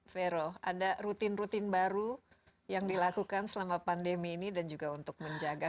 vero ada rutin rutin baru yang dilakukan selama pandemi ini dan juga untuk menjaga